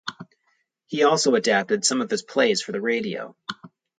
He also adapted some of his plays for the radio.